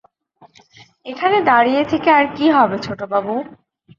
এখানে দাঁড়িয়ে থেকে আর কী হবে ছোটবাবু?